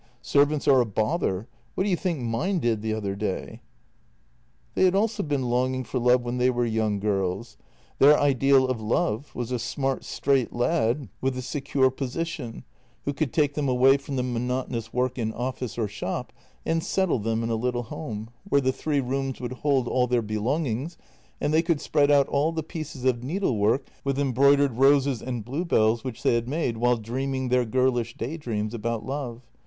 Servants are a bother. What do you think mine did the other day? ..." They had also been longing for love when they were young girls — their ideal of love was a smart, straight lad with a 208 JENNY secure position, who could take them away from the monotonous work in office or shop and settle them in a little home, where the three rooms would hold all their belongings, and they could spread out all the pieces of needlework with embroidered roses and bluebells which they had made while dreaming their girl ish day dreams about love.